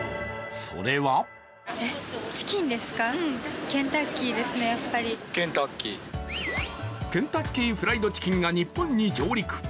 それはケンタッキーフライドチキンが日本に上陸。